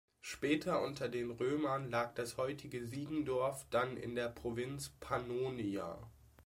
Später unter den Römern lag das heutige Siegendorf dann in der Provinz Pannonia.